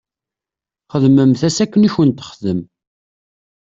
Xdmemt-as akken i kent-texdem.